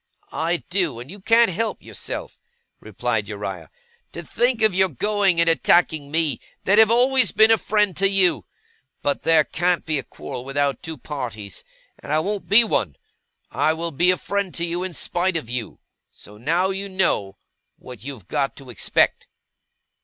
'I do, and you can't help yourself,' replied Uriah. 'To think of your going and attacking me, that have always been a friend to you! But there can't be a quarrel without two parties, and I won't be one. I will be a friend to you, in spite of you. So now you know what you've got to expect.